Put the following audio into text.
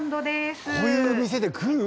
こういう店で食う？